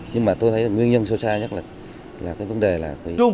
nhưng mà tôi thấy nguyên nhân sâu xa nhất là vấn đề là